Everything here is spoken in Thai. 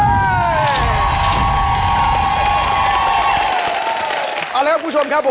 เอาละครับคุณผู้ชมครับผม